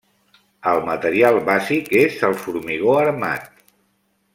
El material bàsic és el formigó armat.